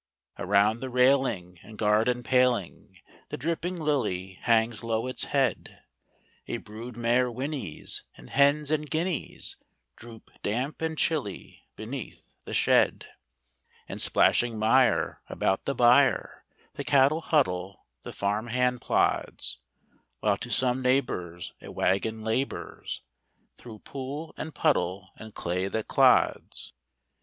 Around the railing and garden paling The dripping lily hangs low its head: A brood mare whinnies; and hens and guineas Droop, damp and chilly, beneath the shed. In splashing mire about the byre The cattle huddle, the farm hand plods; While to some neighbor's a wagon labors Through pool and puddle and clay that clods.